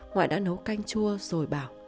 ngoại đã nấu canh chua rồi bảo